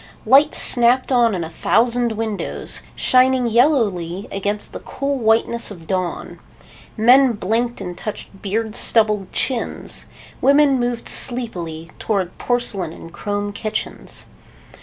Lights snapped on in a thousand windows, shining yellowly against the cool whiteness of dawn. Men blinked and touched beard stubbled chins. Women moved sleepily toward porcelain and chrome kitchens.